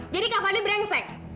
jadi kak fadil brengsek